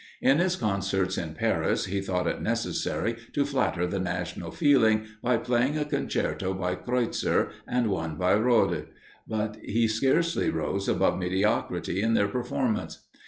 In his concerts in Paris, he thought it necessary to flatter the national feeling by playing a concerto by Kreutzer and one by Rode but he scarcely rose above mediocrity in their performance.